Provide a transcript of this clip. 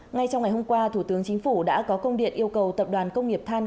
ngay trong ngày hôm qua thủ tướng chính phủ đã có công điện yêu cầu tập đoàn công nghiệp than